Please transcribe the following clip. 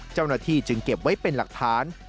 เจ้าหน้าที่จึงเก็บไว้เป็นหลักฐาน